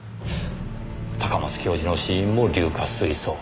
高松教授の死因も硫化水素。